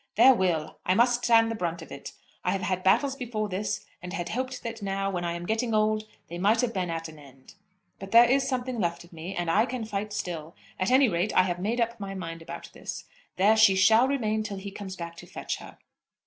"There will. I must stand the brunt of it. I have had battles before this, and had hoped that now, when I am getting old, they might have been at an end. But there is something left of me, and I can fight still. At any rate, I have made up my mind about this. There she shall remain till he comes back to fetch her."